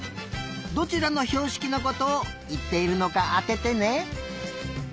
どちらのひょうしきのことをいっているのかあててね。